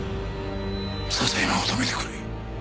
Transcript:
笹山を止めてくれ。